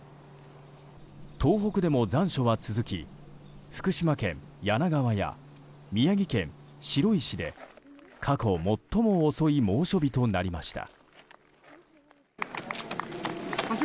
東北でも残暑は続き福島県梁川や宮城県白石で過去最も遅い猛暑日となりました。